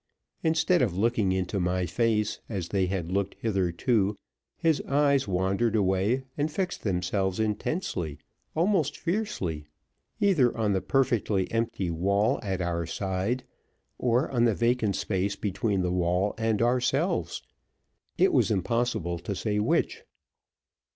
Instead of looking into my face as they had looked hitherto, his eyes wandered away, and fixed themselves intensely, almost fiercely, either on the perfectly empty wall at our side, or on the vacant space between the wall and ourselves, it was impossible to say which.